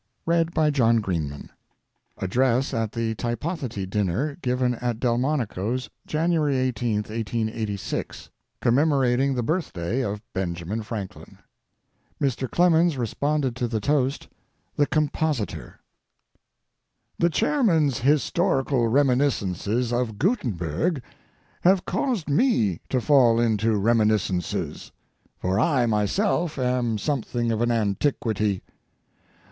THE OLD FASHIONED PRINTER ADDRESS AT THE TYPOTHETAE DINNER GIVEN AT DELMONICO'S, JANUARY 18, 1886, COMMEMORATING THE BIRTHDAY OF BENJAMIN FRANKLIN Mr. Clemens responded to the toast "The Compositor." The chairman's historical reminiscences of Gutenberg have caused me to fall into reminiscences, for I myself am something of an antiquity.